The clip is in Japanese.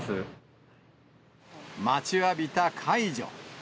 待ちわびた解除。